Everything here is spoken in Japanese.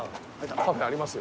カフェありますよ。